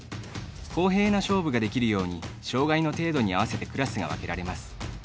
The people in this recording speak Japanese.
公平な勝負ができるように障がいの程度に合わせてクラスが分けられます。